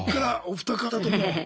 お二方とも。